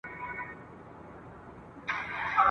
د دردونو او غمونو نرۍ لاري را ته ګوري ..